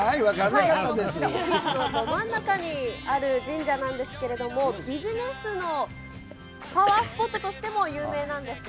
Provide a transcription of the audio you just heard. オフィス街のど真ん中にある神社なんですが、ビジネスのパワースポットとしても有名なんですね。